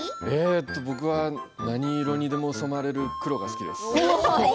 僕は何色にでも染まれる黒が好きです。え？